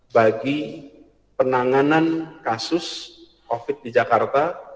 bagi penanganan kasus covid sembilan belas di jakarta